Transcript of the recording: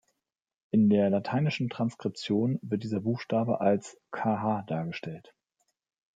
In der lateinischen Transkription wird dieser Buchstabe als "Kh" dargestellt.